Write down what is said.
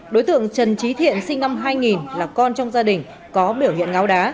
đối tượng trần trí thiện sinh năm hai nghìn là con trong gia đình có biểu hiện ngáo đá